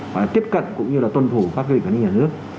và tiếp cận cũng như là tuân thủ các quy định quản lý nhà nước